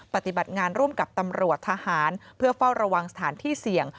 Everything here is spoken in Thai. ปฏิบัติงานร่วมกับตำรวจทหารเพื่อเฝ้าระวังสถานที่เสี่ยง